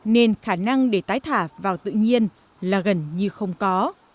nên khả năng để tái thả vào tự nhiên là gần như không có